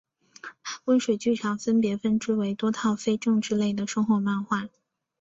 温水剧场分别分支为多套非政治类的生活漫画